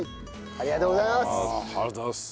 ありがとうございます。